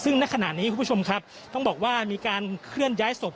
ซึ่งณขณะนี้คุณผู้ชมครับต้องบอกว่ามีการเคลื่อนย้ายศพ